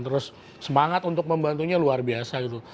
terus semangat untuk membantunya luar biasa gitu